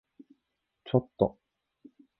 ちょっと？